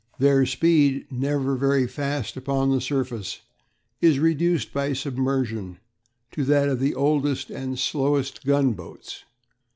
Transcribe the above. Their speed, never very fast upon the surface, is reduced by submersion to that of the oldest and slowest gunboats.